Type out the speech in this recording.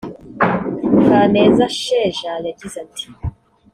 Kaneza Sheja yagize ati